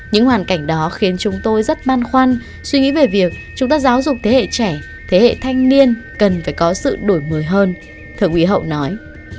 những hoàn cảnh đó khiến chúng tôi rất băn khoăn suy nghĩ về việc chúng ta giáo dục thế hệ trẻ thế hệ thanh niên cần phải có sự đổi mới hơn thượng úy hậu nói